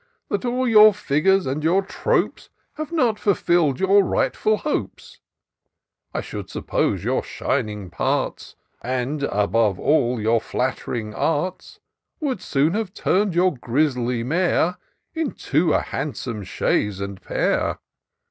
That all your figures and your tropes Have not ftilfill'd your rightftil hopes ? I should suppose your shining parts. And, above all, your flatt'ring arts. Would soon have tum*d your grizzly mare Into a handsome chaise and pair.